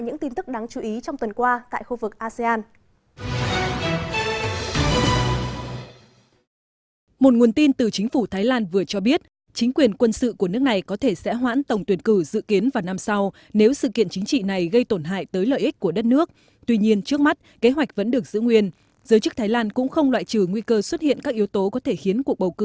những tin tức đáng chú ý trong tuần qua tại khu vực asean